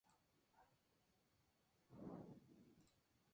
Hora Cero Extra!